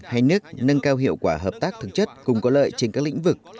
hai nước nâng cao hiệu quả hợp tác thực chất cùng có lợi trên các lĩnh vực